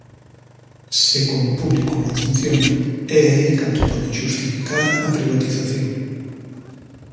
Se como público non funciona, é aí cando poden xustificar a privatización.